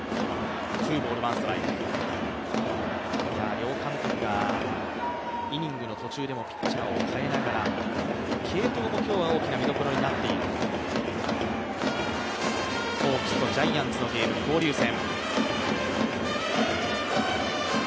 両監督がイニングの途中でもピッチャーを代えながら継投も今日は大きな見どころになっているホークスとジャイアンツのゲーム交流戦。